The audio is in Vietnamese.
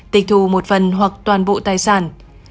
tịch thu một phần hoặc toàn bộ tài sản